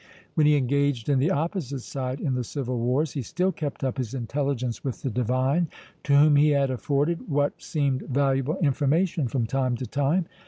When he engaged in the opposite side in the Civil Wars, he still kept up his intelligence with the divine, to whom he had afforded what seemed valuable information from time to time.